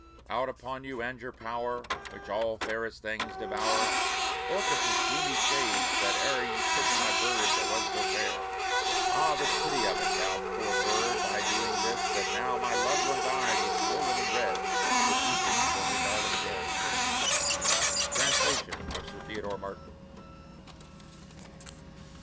Out upon you, and your power, Which all fairest things devour, Orcus's gloomy shades, that e'er Ye took my bird that was so fair! Ah, the pity of it! Thou Poor bird, thy doing 'tis, that now My loved one's eyes are swollen and red, With weeping for her darling dead. Translation of Sir Theodore Martin.